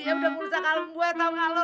udah urusan kalung gua tau ga lo